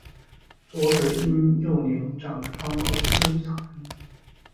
左腿因为幼年长疮而微残。